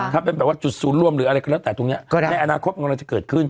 ถ้าเป็นแบบว่าจุดศูนย์รวมหรืออะไรก็แล้วแต่ตรงนี้ในอนาคตกำลังจะเกิดขึ้น